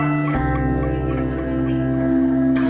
punggung perut dada